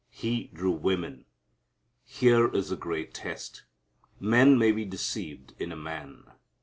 He drew women. Here is a great test. Men may be deceived in a man.